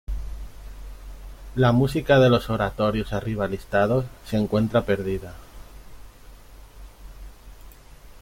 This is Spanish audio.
La música de los oratorios arriba listados se encuentra perdida.